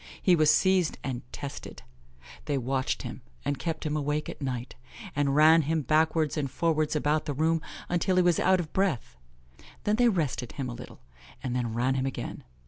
He was seized and tested. They watched him, and kept him awake at night, and ran him backwards and forwards about the room until he was out of breath; then they rested him a little, and then ran him again.